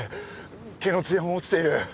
毛のつやも落ちている。